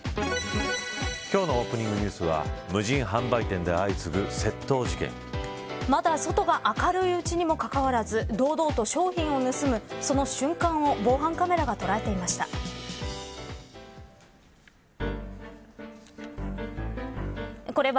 今日のオープオニングニュースはまだ外が明るいうちにもかかわらず堂々と商品を盗むその瞬間を防犯カメラが捉えていましたした。